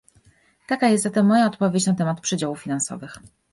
Taka jest zatem moja odpowiedź na temat przydziałów finansowych